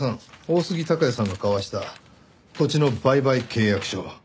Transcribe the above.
大杉隆也さんが交わした土地の売買契約書。